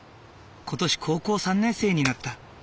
今年高校３年生になった。